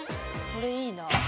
これいいなあ。